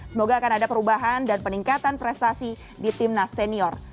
semoga akan ada perubahan dan peningkatan prestasi di timnas senior